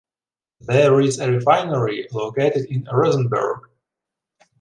There is a refinery located in Rozenburg.